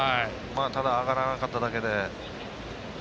ただ上がらなかっただけで。